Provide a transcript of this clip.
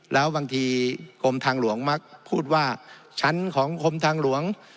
แล้วบางทีกรมทางหลวงมักพูดว่าชั้นของกรมทางหลวง